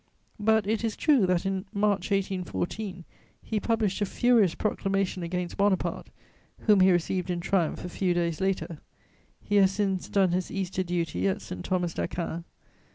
But it is true that, in March 1814, he published a furious proclamation against Bonaparte, whom he received in triumph a few days later: he has since done his Easter duty at Saint Thomas d'Aquin.